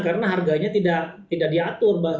karena harganya tidak diatur